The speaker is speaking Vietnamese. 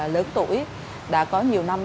lớn tuổi đã có nhiều năm